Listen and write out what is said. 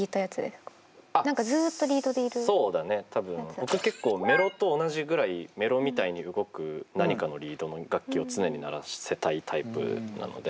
僕結構メロと同じぐらいメロみたいに動く何かのリードの楽器を常に鳴らせたいタイプなので。